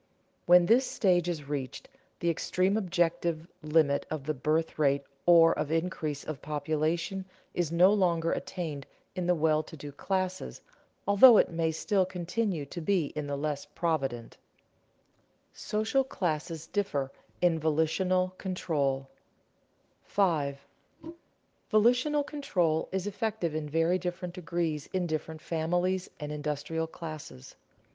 When this stage is reached, the extreme objective limit of the birth rate or of increase of population is no longer attained in the well to do classes, although it may still continue to be in the less provident. [Sidenote: Social classes differ in volitional control] 5. _Volitional control is effective in very different degrees in different families and industrial classes.